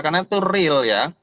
karena itu real ya